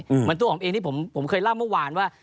เหมือนตัวผมเองที่ผมเคยเล่าเมื่อวานว่า